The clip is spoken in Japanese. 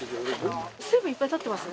水分いっぱいとってます？